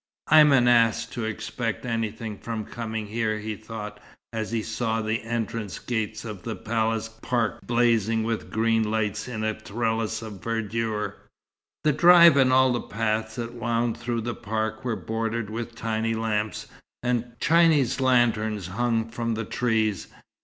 "I'm an ass to expect anything from coming here," he thought, as he saw the entrance gates of the palace park blazing with green lights in a trellis of verdure. The drive and all the paths that wound through the park were bordered with tiny lamps, and Chinese lanterns hung from the trees.